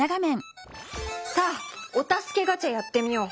さあお助けガチャやってみよう！